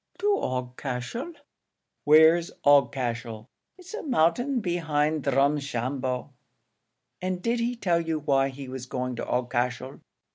"To Aughacashel." "Where's Aughacashel?" "It's a mountain behind Drumshambo." "And did he tell you why he was going to Aughacashel?"